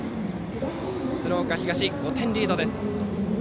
鶴岡東、５点リードです。